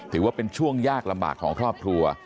ถือว่าเป็นช่วงยากลำบากของครอบครัว